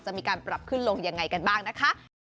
จะมีการปรับขึ้นลงยังไงกันบ้างนะคะ